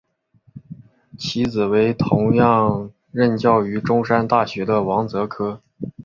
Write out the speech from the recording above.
其子为同样任教于中山大学的王则柯。